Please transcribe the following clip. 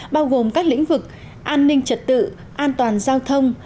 bao gồm các lĩnh vực an ninh trật tự an toàn giao thông